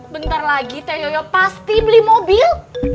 bentar lagi teh yoyo pasti beli mobil